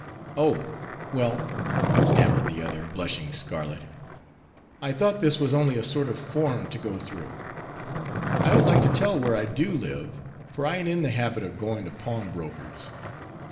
"Oh! well," stammered the other blushing scarlet, "I thought this was only a sort of form to go through; I don't like to tell where I do live, for I ain't in the habit of going to pawnbrokers."